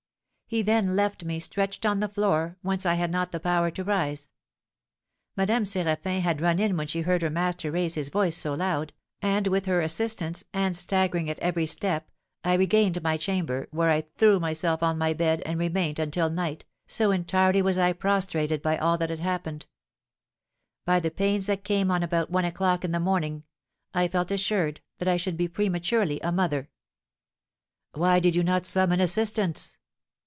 He then left me, stretched on the floor, whence I had not the power to rise. Madame Séraphin had run in when she heard her master raise his voice so loud, and with her assistance, and staggering at every step, I regained my chamber, where I threw myself on my bed, and remained until night, so entirely was I prostrated by all that had happened. By the pains that came on about one o'clock in the morning, I felt assured that I should be prematurely a mother." "Why did you not summon assistance?"